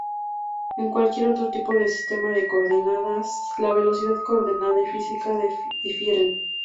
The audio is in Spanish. En cualquier otro tipo de sistema de coordenadas la velocidad coordenada y física difieren.